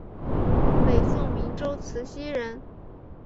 北宋明州慈溪人。